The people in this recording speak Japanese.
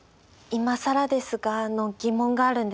いまさらですが。